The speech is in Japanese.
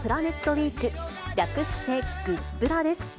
ウィーク、略してグップラです。